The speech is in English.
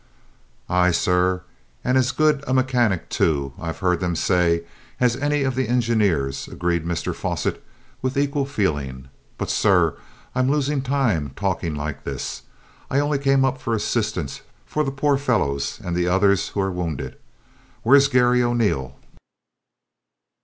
"Aye, sir, and as good a mechanic, too, I've heard them say, as any of the engineers," agreed Mr Fosset, with equal feeling. "But, sir, I'm losing time talking like this! I only came up for assistance for the poor fellows and the others who are wounded. Where's Garry O'Neil?"